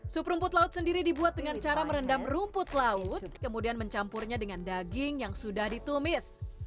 sup rumput laut sendiri dibuat dengan cara merendam rumput laut kemudian mencampurnya dengan daging yang sudah ditumis